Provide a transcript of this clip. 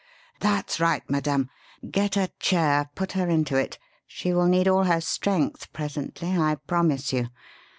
"That's right, madame. Get a chair; put her into it. She will need all her strength presently, I promise you.